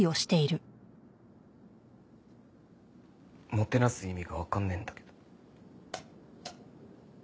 もてなす意味がわかんねえんだけど。